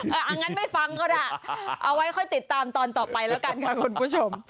เอางั้นไม่ฟังก็ได้เอาไว้ค่อยติดตามตอนต่อไปแล้วกันค่ะคุณผู้ชม